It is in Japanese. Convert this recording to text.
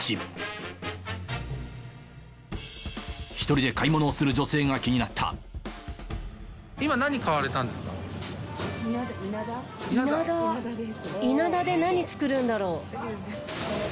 １人で買い物をする女性が気になったイナダで何作るんだろう。